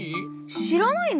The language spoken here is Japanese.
しらないの？